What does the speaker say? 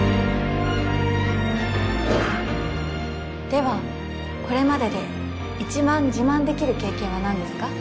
ではこれまでで一番自慢できる経験は何ですか？